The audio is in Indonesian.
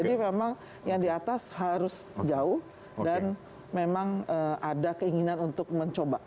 jadi memang yang di atas harus jauh dan memang ada keinginan untuk mencoba